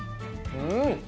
うん！